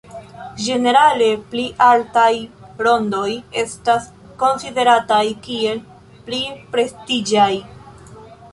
Ĝenerale pli altaj rondoj estas konsiderataj kiel pli prestiĝaj.